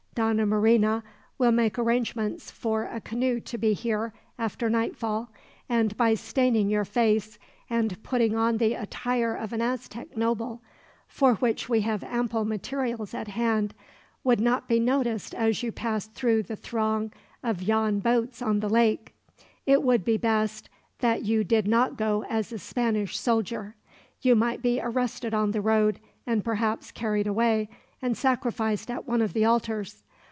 "Donna Marina will make arrangements for a canoe to be here, after nightfall; and by staining your face, and putting on the attire of an Aztec noble for which we have ample materials at hand would not be noticed as you pass through the throng of yon boats on the lake. It would be best that you did not go as a Spanish soldier. You might be arrested on the road, and perhaps carried away and sacrificed at one of the altars.